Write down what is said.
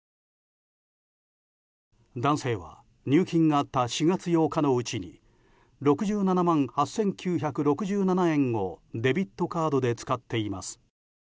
男性は入金があった４月８日のうちに６７万８９６７円をデビッドカードで使っています。